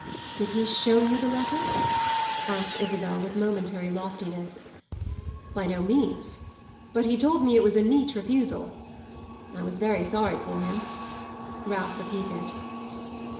"Did he show you the letter?" asked Isabel with momentary loftiness. "By no means. But he told me it was a neat refusal. I was very sorry for him," Ralph repeated.